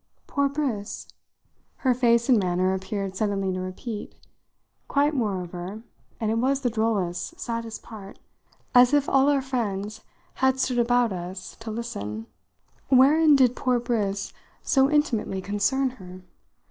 "Poor Briss?" her face and manner appeared suddenly to repeat quite, moreover (and it was the drollest, saddest part), as if all our friends had stood about us to listen. Wherein did poor Briss so intimately concern her?